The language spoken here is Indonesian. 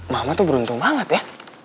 mama tuh beruntung banget ya